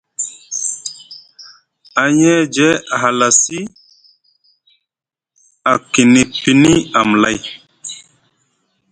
Ahiyeje a halasi, a kini pini amlay.